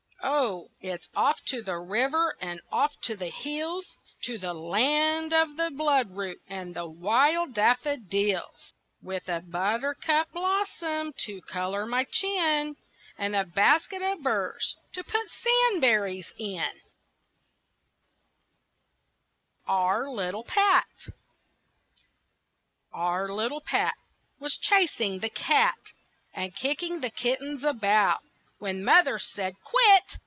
Oh, it's off to the river and off to the hills, To the land of the bloodroot and wild daffodils, With a buttercup blossom to color my chin, And a basket of burs to put sandberries in. OUR LITTLE PAT Our little Pat Was chasing the cat And kicking the kittens about. When mother said "Quit!"